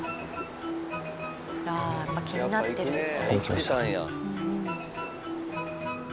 あぁやっぱ気になってるんだ。